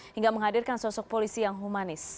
hingga menghadirkan sosok polisi yang humanis